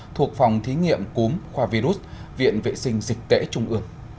thuộc phòng thí nghiệm cúm khoa virus viện vệ sinh dịch tễ trung ương